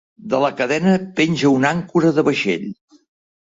De la cadena penja una àncora de vaixell.